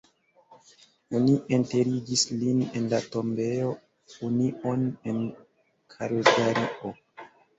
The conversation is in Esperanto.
Oni enterigis lin en la Tombejo Union en Kalgario.